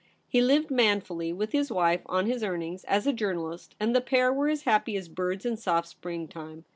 He lived manfully with his wife on his earnings as a journalist, and the pair were as happy as birds in soft spring time.